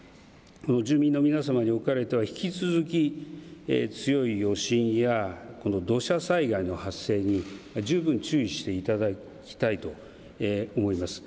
住民の皆さまにおかれては引き続き強い余震やこの土砂災害の発生に十分注意していただきたいと思います。